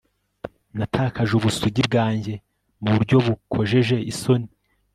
natakaje ubusugi bwanjye mu buryo bukojeje isoni